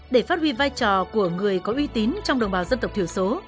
để phát huy vai trò của người có uy tín trong đồng bào dân tộc thiểu số